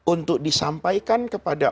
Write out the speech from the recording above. untuk disampaikan kepada